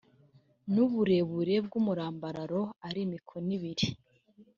n uburebure bw umurambararo ari mikono ibiri